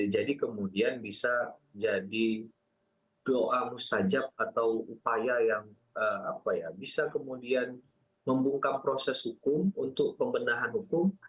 jadi kemudian bisa jadi doa mustajab atau upaya yang bisa kemudian membungkam proses hukum untuk pembenahan hukum